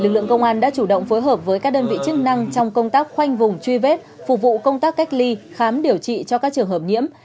lực lượng công an đã chủ động phối hợp với các đơn vị chức năng trong công tác khoanh vùng truy vết phục vụ công tác cách ly khám điều trị cho các trường hợp nhiễm